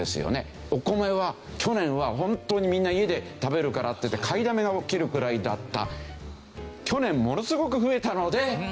お米は去年は本当にみんな家で食べるからっていって買いだめが起きるくらいだった。